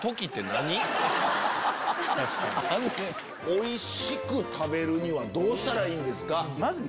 おいしく食べるにはどうしたらいいんですか？